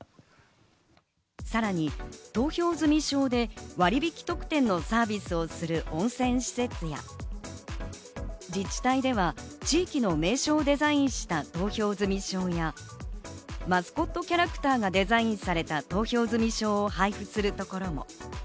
さらに投票済証で割引特典のサービスをする温泉施設や自治体では地域の名所をデザインした投票済証や、マスコットキャラクターがデザインされた投票済証を配布するところも。